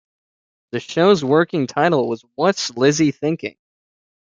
The show's working title was What's Lizzie Thinking?